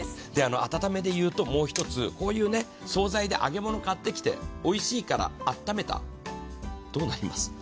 温めでいうともう一つ、こういう総菜で揚げ物を買ってきておいしいから温めたどうなります？